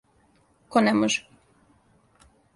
Ко не може?